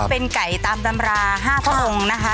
เป็นไก่ตามตำรา๕พระองค์นะคะ